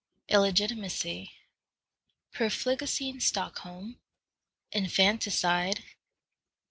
Illegitimacy. Profligacy in Stockholm. Infanticide.